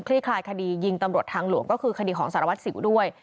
คลายคดียิงตำรวจทางหลวงก็คือคดีของสารวัตรสิวด้วย